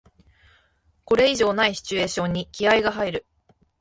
これ以上ないシチュエーションに気合いが入る